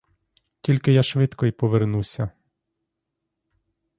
Тільки я швидко й повернуся.